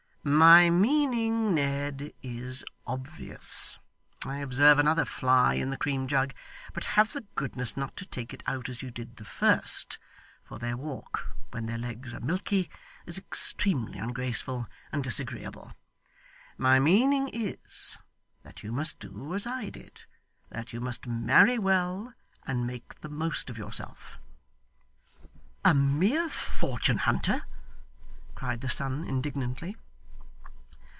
'My meaning, Ned, is obvious I observe another fly in the cream jug, but have the goodness not to take it out as you did the first, for their walk when their legs are milky, is extremely ungraceful and disagreeable my meaning is, that you must do as I did; that you must marry well and make the most of yourself.' 'A mere fortune hunter!' cried the son, indignantly.